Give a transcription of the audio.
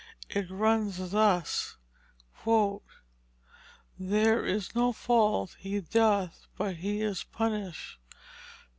It runs thus: "There is no fault he doth but he is punished.